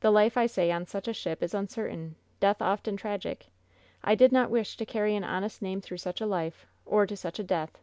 The life, I say, on such a ship is uncertain; death often tragic. I did not wish to carry an honest name through such a life, or to such a death.